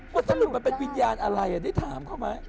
สรุปมันเป็นวิญญาณอะไรได้ถามเขาไหม